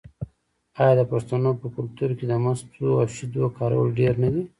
آیا د پښتنو په کلتور کې د مستو او شیدو کارول ډیر نه دي؟